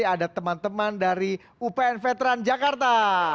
jadi ada teman teman dari upn veteran jakarta